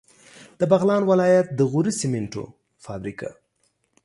د بغلان ولایت د غوري سیمنټو فابریکه